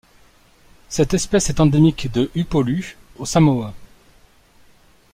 Cette espèce est endémique de Upolu aux Samoa.